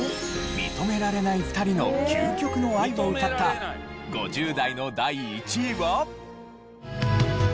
認められない２人の究極の愛を歌った５０代の第１位は。